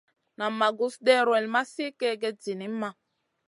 Nan ma gus ɗewrel ma sli kègèd zinimma.